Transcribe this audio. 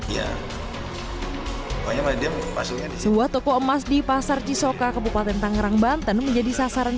ya banyak masing masing sebuah toko emas di pasar cisoka kepupaten tangerang banten menjadi sasaran